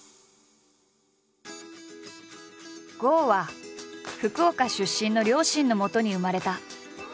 郷は福岡出身の両親のもとに生まれた。